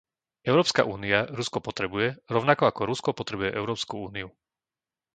Európska únia Rusko potrebuje, rovnako ako Rusko potrebuje Európsku úniu.